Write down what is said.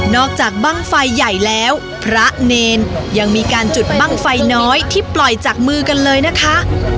จากบ้างไฟใหญ่แล้วพระเนรยังมีการจุดบ้างไฟน้อยที่ปล่อยจากมือกันเลยนะคะ